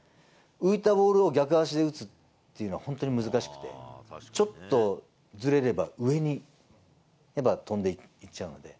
浮いたボールを逆足で打つっていうのは本当に難しくて、ちょっとずれれば上にやっぱ飛んでいっちゃうので。